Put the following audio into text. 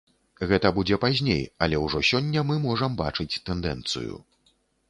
Гэта будзе пазней, але ўжо сёння мы можам бачыць тэндэнцыю.